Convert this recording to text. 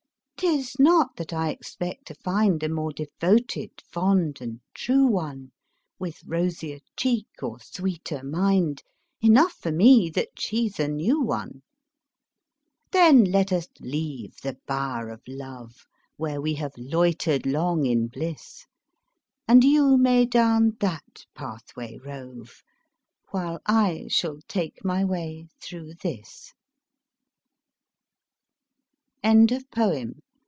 'Tis not that I expect to find A more devoted, fond and true one, With rosier cheek or sweeter mind Enough for me that she's a new one. Thus let us leave the bower of love, Where we have loitered long in bliss; And you may down that pathway rove, While I shall take my way through this. ANACREONTIC.